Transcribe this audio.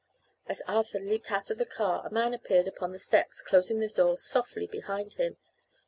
As Arthur leaped out of the car a man appeared upon the steps, closing the door softly behind him.